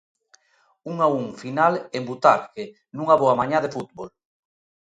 Un a un final en Butarque nunha boa mañá de fútbol.